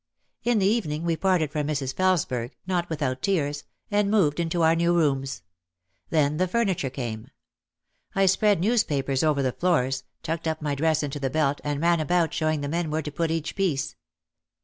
In the evening we parted from Mrs. Felesberg (not without tears) and moved into our new rooms. Then the furniture came. I spread newspapers over the floors, tucked up my dress into the belt and ran about showing the men where to put each piece.